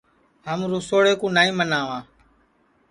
ہم رُسوڑے کُو نائی مناواں